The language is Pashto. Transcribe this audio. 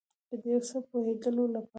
که د یو څه پوهیدلو لپاره